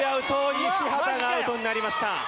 西畑がアウトになりました。